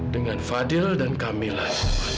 dengan fadil dan kamilah